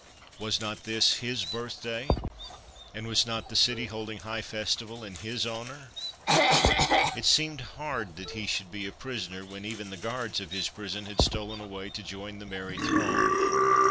Was not this his birthday, and was not the city holding high festival in his honour ? It seemed hard that he should be a prisoner, when even the guards of his prison had stolen away to join the merry throng.